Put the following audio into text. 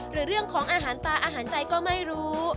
หรือเรื่องของอาหารตาอาหารใจก็ไม่รู้